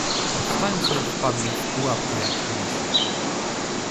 "Powstańcy wpadli w pułapkę jak myszy."